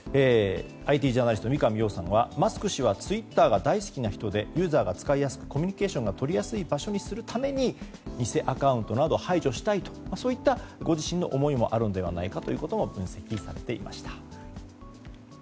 ＩＴジャーナリスト三上洋さんはマスク氏はツイッターが大好きな人でユーザーが使いやすくコミュニケーションを取りやすい場所にするために偽アカウントなどを排除したいといったご自身の思いもあるのではと分析されていました。